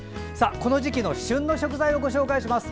この時期の旬の食材をご紹介します。